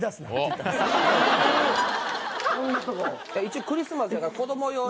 一応クリスマスやから子供用に。